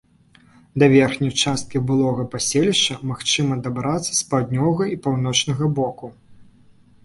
Да верхняй часткі былога паселішча магчыма дабрацца з паўднёвага і паўночнага боку.